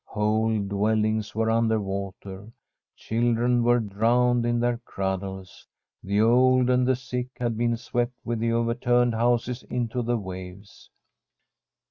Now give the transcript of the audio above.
Whole dwellings were under water; children were drowned in their cradles. The old and the sick had been swept with the overturned houses into the waves.